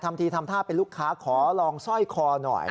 ทำที่ทำท่าไปลูกค้าขอลองไซ่คอหน่อย